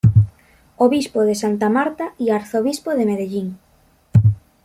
Obispo de Santa Marta y arzobispo de Medellín.